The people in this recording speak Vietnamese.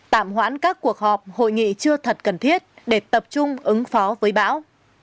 tạm hoãn các cuộc họp hội nghị chưa thật cần thiết để tập trung ứng phó với bão